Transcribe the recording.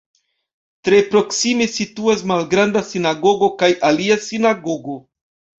Tre proksime situas Malgranda Sinagogo kaj alia sinagogo.